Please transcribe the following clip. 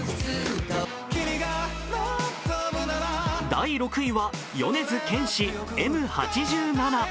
第６位は米津玄師「Ｍ八十七」。